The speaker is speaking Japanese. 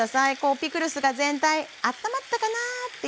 ピクルスが全体あったまったかなぁっていうぐらい。